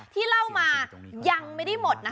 ที่เล่ามายังไม่ได้หมดนะคะ